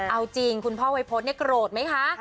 เอาจริงคุณพ่อวัยพฤษเนี่ยโกรธไหมคะ